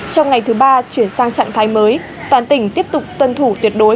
trong ngày thứ ba chuyển sang trạng thái mới toàn tỉnh tiếp tục tuân thủ tuyệt đối